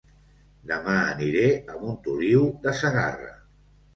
Dema aniré a Montoliu de Segarra